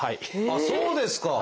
あっそうですか。